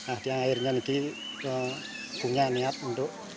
akhirnya nanti punya niat untuk